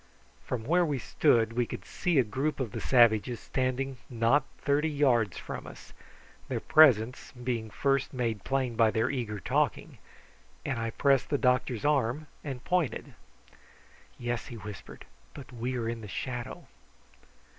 From where we stood we could see a group of the savages standing not thirty yards from us, their presence being first made plain by their eager talking, and I pressed the doctor's arm and pointed. "Yes," he whispered; "but we are in the shadow."